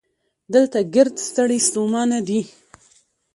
دلته ګړد ستړي ستومانه دي